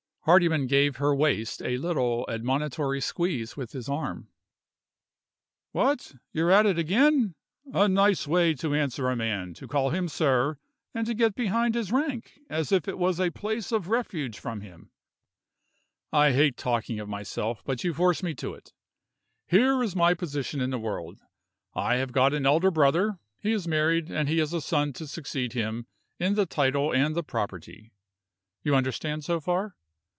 Hardyman gave her waist a little admonitory squeeze with his arm "What? You're at it again? A nice way to answer a man, to call him 'Sir,' and to get behind his rank as if it was a place of refuge from him! I hate talking of myself, but you force me to it. Here is my position in the world I have got an elder brother; he is married, and he has a son to succeed him, in the title and the property. You understand, so far?